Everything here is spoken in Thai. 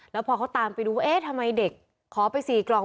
แล้วพอเขาตามไปดูเอ๊ะทำไมเด็กขอไป๔กล่อง